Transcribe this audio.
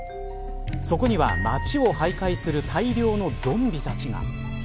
そこには街を徘徊する大量のゾンビたちが。